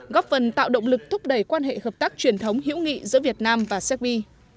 góp phần tạo động lực thúc đẩy quan hệ hợp tác truyền thống hữu nghị giữa việt nam và séc bi